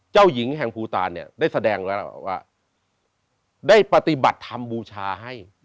เจ้าหญิงแห่งภูตานเนี่ยได้แสดงแล้วว่าได้ปฏิบัติธรรมบูชาให้